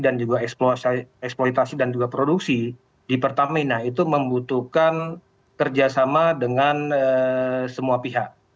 dan juga eksploitasi dan juga produksi di pertamina itu membutuhkan kerjasama dengan semua pihak